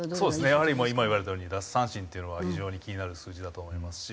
やはり今言われたように奪三振というのは非常に気になる数字だと思いますし。